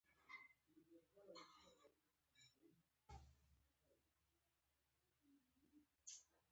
پسه اوږده څڼې لري.